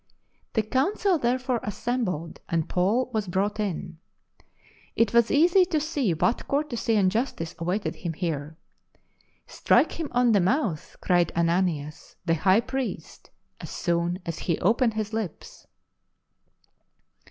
The Gouncii therefore assembled, and Paul w'as brought in. It was easy to see what courtesy and justice awaited him here. Strike him on the mouth !" cried Ananias, the High Priest, as soon as he opened his lips.